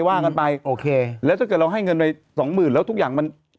ว่ากันไปโอเคแล้วถ้าเกิดเราให้เงินไปสองหมื่นแล้วทุกอย่างมัน